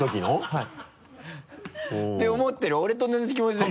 はい。